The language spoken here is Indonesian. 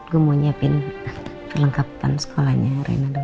gue mau siapin kelengkapan sekolahnya rina dulu